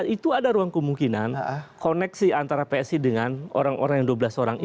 itu ada ruang kemungkinan koneksi antara psi dengan orang orang yang dua belas orang itu